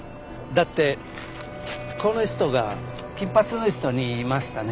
だってこの人が金髪の人に言いましたね。